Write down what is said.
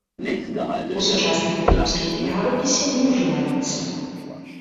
У сучасным беларускім правапісе не ўжываюцца.